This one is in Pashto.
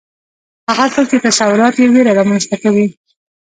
هغه څوک چې تصورات یې ویره رامنځته کوي